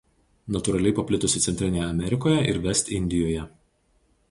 Natūraliai paplitusi Centrinėje Amerikoje ir Vest Indijoje.